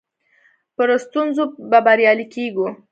پر ستونزو به بريالي کيږو.